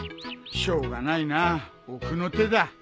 しょうがないな奥の手だ。